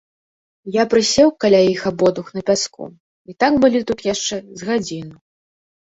Я прысеў каля іх абодвух на пяску, і так былі тут яшчэ з гадзіну.